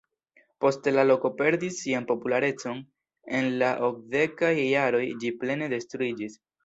Poste la loko perdis sian popularecon, en la okdekaj jaroj ĝi plene detruiĝis.